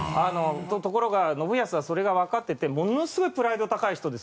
ところが信康はそれがわかっててものすごいプライド高い人です